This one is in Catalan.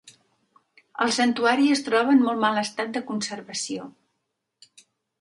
El santuari es troba en molt mal estat de conservació.